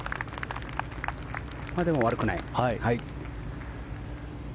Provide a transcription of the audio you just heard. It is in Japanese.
でも、悪くない。